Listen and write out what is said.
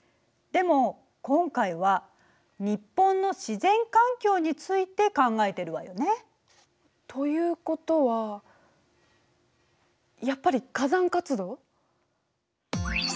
でも今回は日本の自然環境について考えてるわよね。ということはやっぱり火山活動？